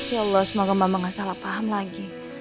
ya allah semoga bambang gak salah paham lagi